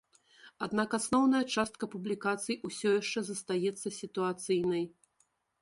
Аднак асноўная частка публікацый усё яшчэ застаецца сітуацыйнай.